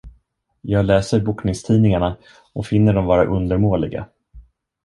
Jag läser boxningstidningarna och finner dem vara undermåliga.